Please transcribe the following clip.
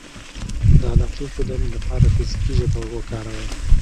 -د علاقې ښودنې لپاره فزیکي ژبه وکاروئ